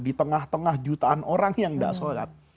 di tengah tengah jutaan orang yang tidak sholat